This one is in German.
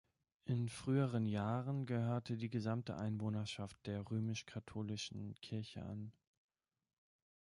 In früheren Jahren gehörte die gesamte Einwohnerschaft der römisch-katholischen Kirche an.